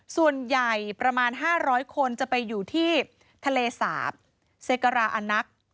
ส่วนใหญ่ประมาณ๕๐๐คนจะไปอยู่ที่ทะเลสาบเซกราอนัก